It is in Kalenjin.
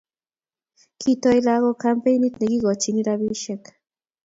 Kitoi lakok kampenit nekikochin rabisiek